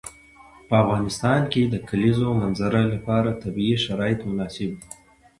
په افغانستان کې د د کلیزو منظره لپاره طبیعي شرایط مناسب دي.